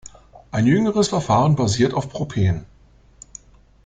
Ein jüngeres Verfahren basiert auf Propen.